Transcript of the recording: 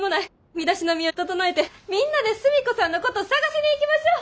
身だしなみを整えてみんなでスミ子さんのこと捜しに行きましょ。